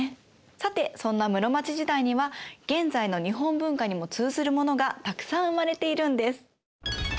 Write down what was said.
さてそんな室町時代には現在の日本文化にも通ずるものがたくさん生まれているんです。